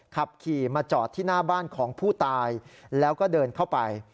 ขับขี่มาจอดที่หน้าบ้านของผู้ตายแล้วก็เดินเข้าไป